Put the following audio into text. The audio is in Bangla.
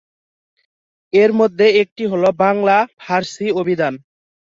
এর মধ্যে একটি হলো বাংলা-ফারসি অভিধান।